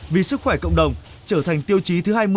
vì sức khỏe cộng đồng trở thành tiêu chí thứ hai mươi